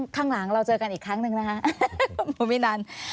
ข้างหลังเราเจอกันอีกครั้งหนึ่งนะคะคุณวินัน